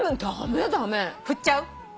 振っちゃう？